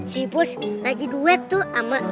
si bus lagi duet tuh sama